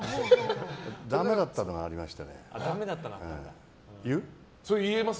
ダメだったのは、ありましたね。